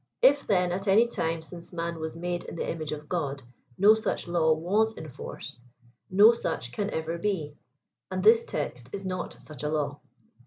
If then at any time since man was made in the imag^e of God, no such law was in force, no such can ever he, and this text is not such a law.